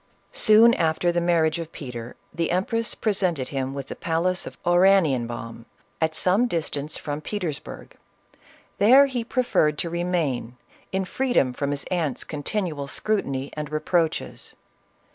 Soon after the marriage of Peter, the empress pre sented him with the palace of Oranienbaum, at some CATHERINE OF RUSSIA. 399 distance from Petersburg; there he preferred to re main, in freedom from his aunt's continual scrutiny and reproaches.